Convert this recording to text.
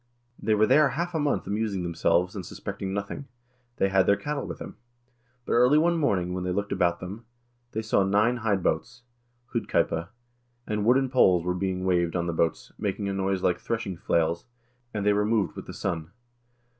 They were there half a month amusing themselves, and suspecting nothing. They had their cattle with them. But early one morning, when they looked about them, they saw nine hide boats 1 (hudkeipa), and wooden poles were being waved on the boats, making a noise like threshing flails, and they were moved with the sun.